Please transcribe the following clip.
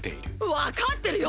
わかってるよ！！